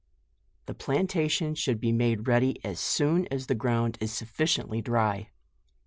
The plantation should be made ready as soon as the ground is sufficiently dry.